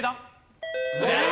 正解。